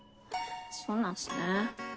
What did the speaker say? そうなんすね。